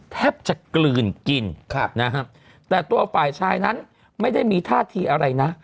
แทบจะกลืนกินครับนะฮะแต่ตัวฝ่ายชายนั้นไม่ได้มีท่าทีอะไรนะ